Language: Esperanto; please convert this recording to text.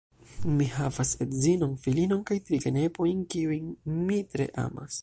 Mi havas edzinon, filinon kaj tri genepojn, kiujn mi tre amas.